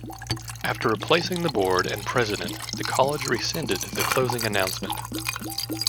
After replacing the board and president, the college rescinded the closing announcement.